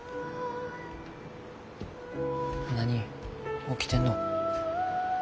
何起きてんの。